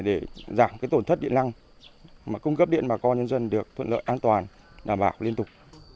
để giảm tổn thất điện lăng cung cấp điện bà con nhân dân được thuận lợi an toàn đảm bảo liên tục